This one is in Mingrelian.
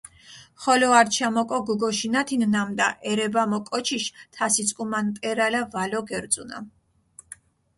ხოლო ართშა მოკო გუგოშინათინ, ნამდა ერებამო კოჩიშ თასიწკუმა ნტერალა ვალო გერძუნა.